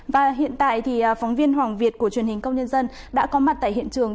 và hiện tại thì phóng viên hoàng việt của truyền hình công nhân đã có mặt tại hiện trường